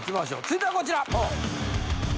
続いてはこちら。